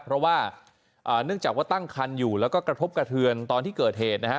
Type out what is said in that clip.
เพราะว่าเนื่องจากว่าตั้งคันอยู่แล้วก็กระทบกระเทือนตอนที่เกิดเหตุนะฮะ